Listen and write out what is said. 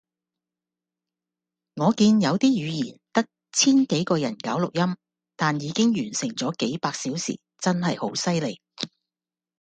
我見有啲語言得千幾個人搞錄音，但已經完成咗幾百小時，真係好犀利